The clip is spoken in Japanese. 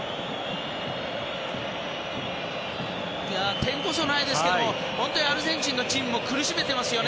点こそないですけども本当にアルゼンチンのチームを苦しめていますよね